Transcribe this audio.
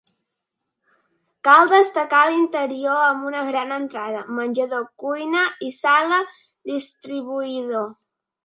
Cal destacar l'interior amb una gran entrada, menjador, cuina i sala distribuïdor.